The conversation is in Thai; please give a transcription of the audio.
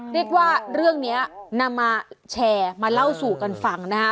เรียกว่าเรื่องนี้นำมาแชร์มาเล่าสู่กันฟังนะฮะ